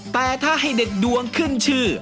แต่ถ้าให้เด็ดดวงขึ้นชื่อ